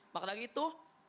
maka dari itu